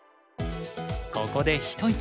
ここで一息。